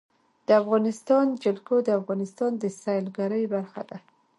د افغانستان جلکو د افغانستان د سیلګرۍ برخه ده.